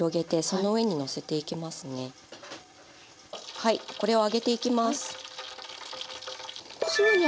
はいこれを揚げていきます。